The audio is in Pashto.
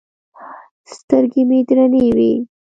سترګې مې درنې وې.